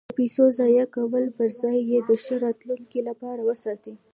د پیسو د ضایع کولو پرځای یې د ښه راتلونکي لپاره وساتئ.